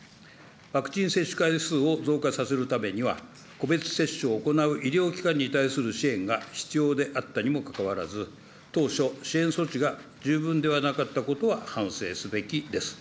ワクチン接種回数を増加させるためには、個別接種を行う医療機関に対する支援が必要であったにもかかわらず、当初、支援措置が十分ではなかったことは反省すべきです。